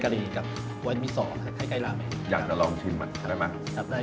ด้านเบียงเที่ยวทำดี